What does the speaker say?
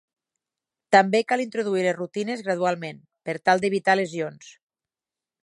També cal introduir les rutines gradualment, per tal d'evitar lesions.